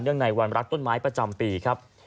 ในวันรักต้นไม้ประจำปีครับ